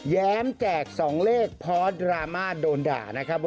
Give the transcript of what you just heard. แม้มแจก๒เลขเพราะดราม่าโดนด่านะครับ